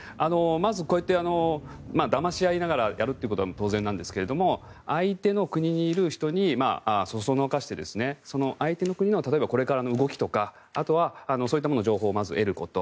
まずこうやってだまし合いながらやるっていうことは当然なんですが相手の国にいる人をそそのかして、相手の国の例えばこれからの動きとかあとはそういった情報を得ること。